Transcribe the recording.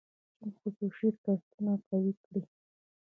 چین خصوصي شرکتونه قوي کړي.